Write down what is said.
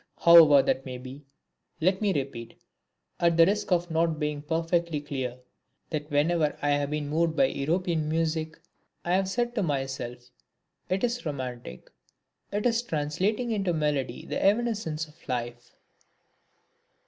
However that may be, let me repeat, at the risk of not being perfectly clear, that whenever I have been moved by European music I have said to myself: it is romantic, it is translating into melody the evanescence of life.